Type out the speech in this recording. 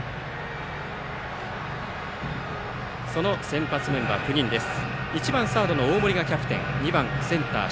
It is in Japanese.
その先発メンバー、９人です。